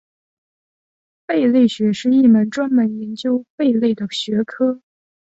贝类学是一门专门研究贝类的学科。